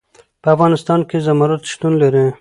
په افغانستان کې زمرد شتون لري.